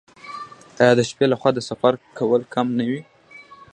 آیا د شپې لخوا د سفر کول کم نه وي؟